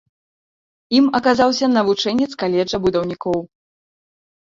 Ім аказаўся навучэнец каледжа будаўнікоў.